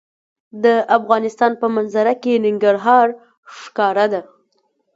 د افغانستان په منظره کې ننګرهار ښکاره ده.